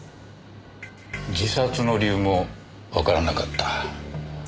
自殺の理由もわからなかった。